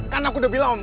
kan aku udah bilang om